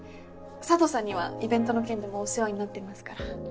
佐藤さんにはイベントの件でもお世話になってますから。